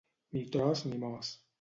Ni tros ni mos.